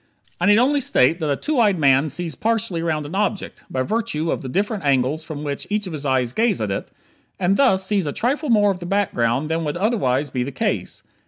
I need only state that a two eyed man sees partially around an object (by virtue of the different angles from which each of his eyes gaze at it) and thus sees a trifle more of the background than would otherwise be the case.